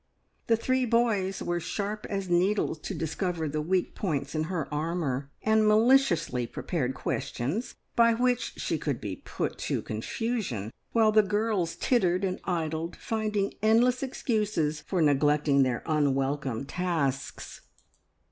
The three boys were sharp as needles to discover the weak points in her armour, and maliciously prepared questions by which she could be put to confusion, while the girls tittered and idled, finding endless excuses for neglecting their unwelcome tasks.